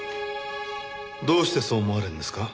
どうしてそう思われるんですか？